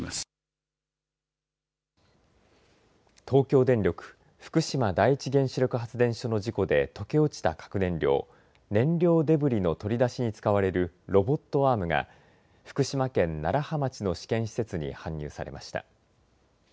東京電力福島第一原子力発電所の事故で溶け落ちた核燃料燃料デブリの取り出しに使われるロボットアームが福島県楢葉町の試験施設に搬入されました。